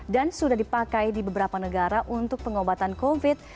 dan sudah dipakai di beberapa negara untuk pengobatan covid sembilan belas